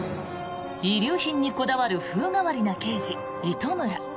遺留品にこだわる風変わりな刑事、糸村。